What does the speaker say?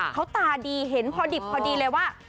เขาตาดีเห็นพอดิบพอดีเลยว่า